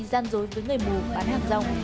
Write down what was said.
gian dối với người mù bán hàng rồng